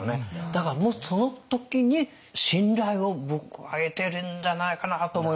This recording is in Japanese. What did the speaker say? だからもうその時に信頼を僕は得てるんじゃないかなと思いますね。